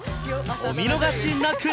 お見逃しなく！